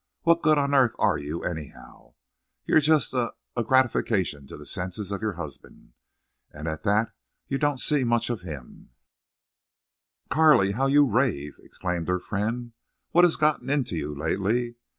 What good on earth are you, anyhow? You're just a—a gratification to the senses of your husband. And at that you don't see much of him." "Carley, how you rave!" exclaimed her friend. "What has gotten into you lately?